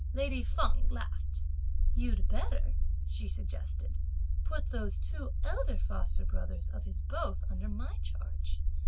Lady Feng laughed. "You'd better," she suggested, "put those two elder foster brothers of his both under my charge!